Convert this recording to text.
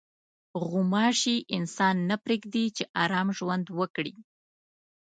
غوماشې انسان نه پرېږدي چې ارام ژوند وکړي.